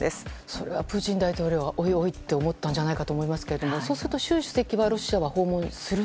それはプーチン大統領はおいおいと思ったと思いますがそうすると、習主席はロシアは訪問する？